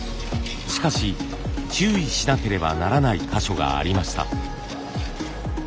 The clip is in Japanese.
しかし注意しなければならない箇所がありました。